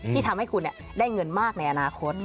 ที่ทำให้คุณได้เงินมากในอนาคต